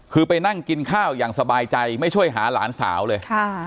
คือไปนั่งกินข้าวอย่างสบายใจไม่ช่วยหาหลานสาวเลย